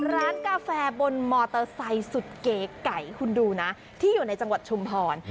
ร้านกาแฟบนมอเตอร์ไซค์สุดเก๋ไก่คุณดูนะที่อยู่ในจังหวัดชุมพร